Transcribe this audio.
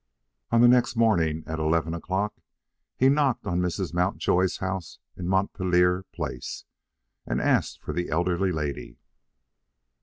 On the next morning, at eleven o'clock, he knocked at Mrs. Mountjoy's house in Mountpellier Place and asked for the elder lady.